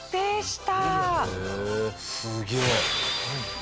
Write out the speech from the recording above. すげえ。